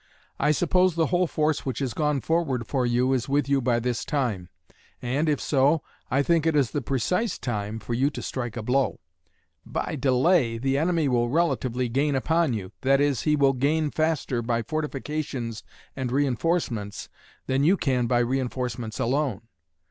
I suppose the whole force which has gone forward for you is with you by this time. And, if so, I think it is the precise time for you to strike a blow. By delay, the enemy will relatively gain upon you that is, he will gain faster by fortifications and reinforcements than you can by reinforcements alone.